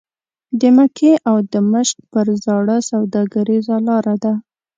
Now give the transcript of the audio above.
د مکې او دمشق پر زاړه سوداګریزه لاره ده.